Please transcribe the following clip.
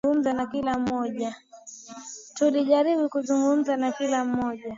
Tulijaribu kuzungumza na kila mmoja.